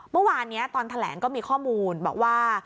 เมื่อวานนี้ตอนแถลงก็มีข้อมูลบอกว่า